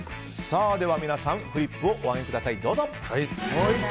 では、皆さんフリップをお上げください。